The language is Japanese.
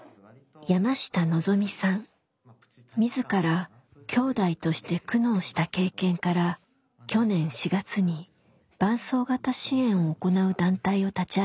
自らきょうだいとして苦悩した経験から去年４月に伴走型支援を行う団体を立ち上げました。